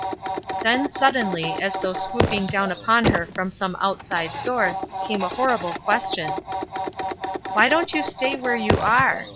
Then, suddenly, as though swooping down upon her from some outside source, came a horrible question :— "Why don't you stay where you are?